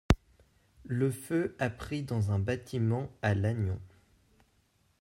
Le feu a pris dans un bâtiment à Lannion.